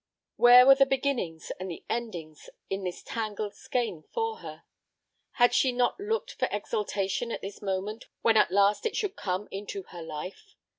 Where were the beginnings and the endings in this tangled skein for her? Had she not looked for exultation in this moment when at last it should come into her life?